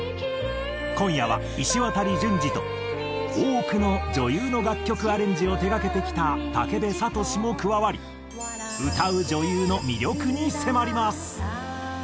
今夜はいしわたり淳治と多くの女優の楽曲アレンジを手がけてきた武部聡志も加わり歌う女優の魅力に迫ります。